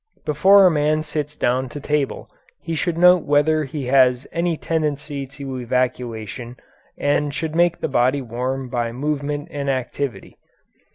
Before a man sits down to table he should note whether he has any tendency to evacuation and should make the body warm by movement and activity.